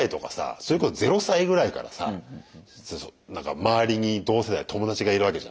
それこそ０歳ぐらいからさ何か周りに同世代友達がいるわけじゃない。